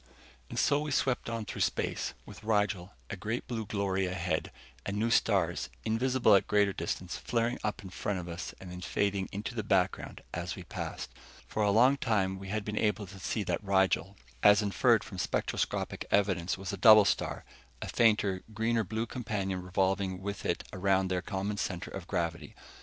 And so we swept on through space, with Rigel a great blue glory ahead, and new stars, invisible at greater distances, flaring up in front of us and then fading into the background as we passed. For a long time we had been able to see that Rigel, as inferred from spectroscopic evidence, was a double star a fainter, greener blue companion revolving with it around their common center of gravity.